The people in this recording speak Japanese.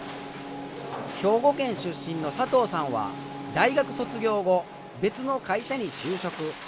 兵庫県出身の佐藤さんは大学卒業後別の会社に就職。